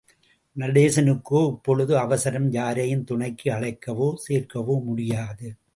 நடேசனுக்கோ இப்பொழுது அவசரம், யாரையும் துணைக்கு அழைக்கவோ, சேர்க்கவோ முடியாது.